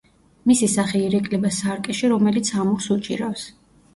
მისი სახე ირეკლება სარკეში, რომელიც ამურს უჭირავს.